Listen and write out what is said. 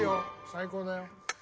最高だよ。